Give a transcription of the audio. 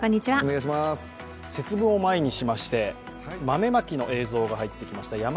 節分を前にしまして、豆まきの映像が入ってきました。